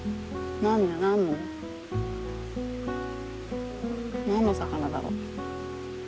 何の魚だろう？